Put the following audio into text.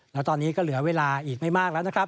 แล้วตอนนี้ก็เหลือเวลาอีกไม่มากแล้วนะครับ